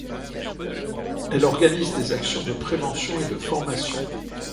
Elle organise des actions de prévention et de formation.